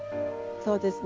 そうですね。